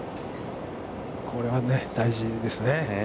これは大事ですね。